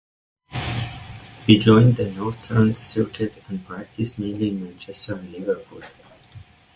He joined the Northern Circuit and practiced mainly in Manchester and Liverpool.